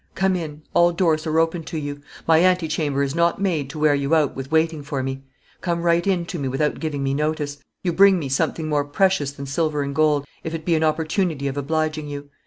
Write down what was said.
Come in, all doors are open to you; my antechamber is not made to wear you out with waiting for me; come right in to me without giving me notice. You bring me something more precious than silver and gold, if it be an opportunity of obliging you.